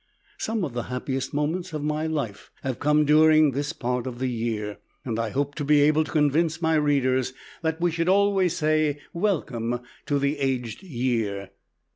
Some of the happiest moments of my life have come during this part of the year, and I hope to be able to convince my readers that we should always say "welcome" to the aged year.